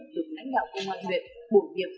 được lãnh đạo công an huyện bổ nhiệm